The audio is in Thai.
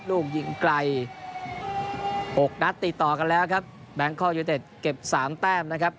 ลูกยิงไกลหกนัดติดต่อกันแล้วครับแบงคอกยูเต็ดเก็บสามแต้มนะครับ